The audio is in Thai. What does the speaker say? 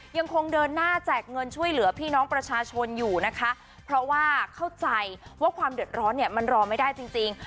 ยังคงเดินหน้าแจกเงินช่วยเหลือพี่น้องประชาชนอยู่นะคะเพราะว่าเข้าใจว่าความเดือดร้อนเนี่ยมันรอไม่ได้จริงจริง